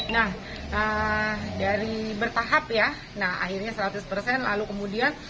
nah dari bertahap ya akhirnya seratus lalu kemudian